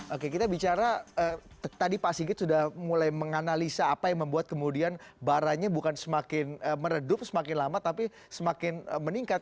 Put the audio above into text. oke kita bicara tadi pak sigit sudah mulai menganalisa apa yang membuat kemudian baranya bukan semakin meredup semakin lama tapi semakin meningkat